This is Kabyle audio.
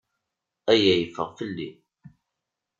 Aya yeffeɣ fell-i.